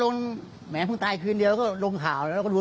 สงครามผมว่าทางโรงเรียนคนของลานด้วย